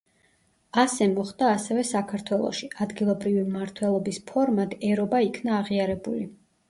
ასე მოხდა ასევე საქართველოში, ადგილობრივი მმართველობის ფორმად ერობა იქნა აღიარებული.